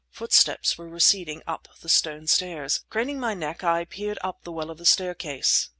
Footsteps were receding up the stone stairs. Craning my neck, I peered up the well of the staircase.